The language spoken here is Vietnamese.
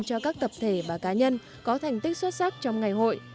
cho các tập thể và cá nhân có thành tích xuất sắc trong ngày hội